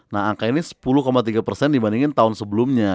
nah angka ini sepuluh tiga persen dibandingin tahun sebelumnya